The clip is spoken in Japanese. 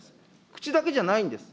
口だけじゃないんです。